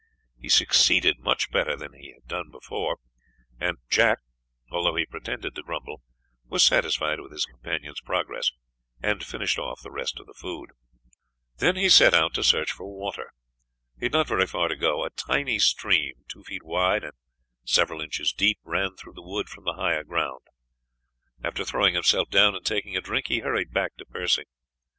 He succeeded much better than he had done the night before, and Jack, although he pretended to grumble, was satisfied with his companion's progress, and finished off the rest of the food. Then he set out to search for water. He had not very far to go; a tiny stream, two feet wide and several inches deep, ran through the wood from the higher ground. After throwing himself down and taking a drink, he hurried back to Percy.